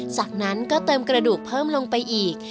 จากนั้นก็เติมกระดูกเพิ่มลงไปอีก